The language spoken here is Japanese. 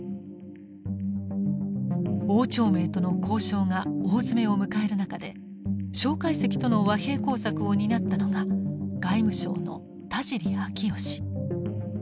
汪兆銘との交渉が大詰めを迎える中で介石との和平工作を担ったのが外務省の田尻愛義。